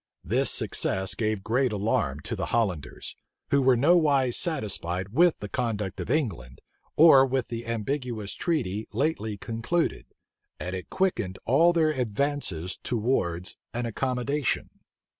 This success gave great alarm to the Hollanders, who were nowise satisfied with the conduct of England, or with the ambiguous treaty lately concluded; and it quickened all their advances towards an accommodation.